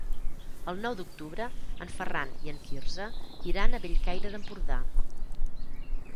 El nou d'octubre en Ferran i en Quirze iran a Bellcaire d'Empordà.